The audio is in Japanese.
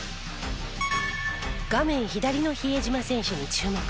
画面左の比江島選手に注目。